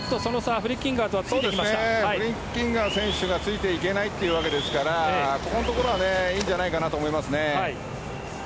フリッキンガー選手がついていけないわけですからいいんじゃないかと思いますね。